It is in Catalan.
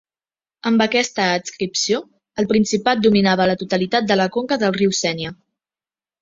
Amb aquesta adscripció, el Principat dominava la totalitat de la conca del riu Sénia.